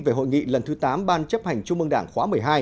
về hội nghị lần thứ tám ban chấp hành trung mương đảng khóa một mươi hai